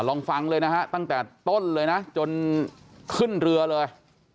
ลองฟังเลยนะฮะตั้งแต่ต้นเลยนะจนขึ้นเรือเลย